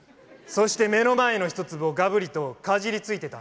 そして目の前の１粒をガブリとかじりついてたんですよね。